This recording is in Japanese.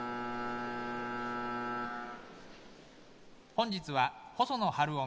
本日は細野晴臣